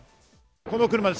この車です！